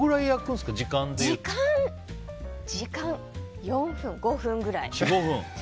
時間４分、５分ぐらい。